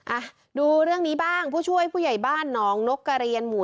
อ่ะดูเรื่องนี้บ้างผู้ช่วยผู้ใหญ่บ้านหนองนกกระเรียนหมู่